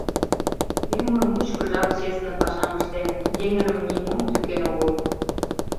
Ӱмыр мучкыжак честно пашам ыштен, еҥыным нимом тӱкен огыл...